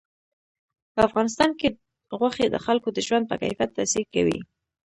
په افغانستان کې غوښې د خلکو د ژوند په کیفیت تاثیر کوي.